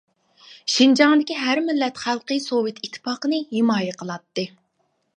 شىنجاڭدىكى ھەر مىللەت خەلقى سوۋېت ئىتتىپاقىنى ھىمايە قىلاتتى.